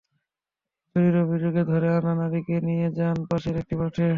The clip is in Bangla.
তিনি চুরির অভিযোগে ধরে আনা নারীকে নিয়ে যান পাশের একটি মাঠে।